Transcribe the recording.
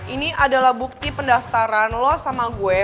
ini adalah bukti pendaftaran lo sama gue